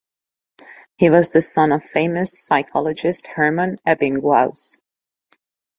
He was the son of famous psychologist Hermann Ebbinghaus.